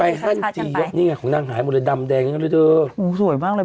ไปนี่ไงของหนังหายหมดเลยดำแดงก็เลยเจออู๋สวยมากเลย